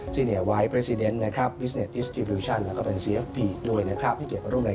สวัสดีครับสวัสดีค่ะสวัสดีค่ะ